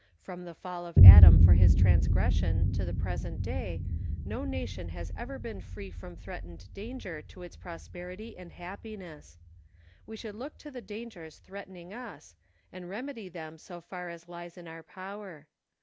From the fall of Adam for his transgression to the present day no nation has ever been free from threatened danger to its prosperity and happiness. We should look to the dangers threatening us, and remedy them so far as lies in our power.